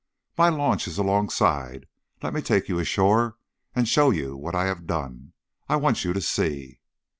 "My launch is alongside; let me take you ashore and show you what I have done. I want you to see."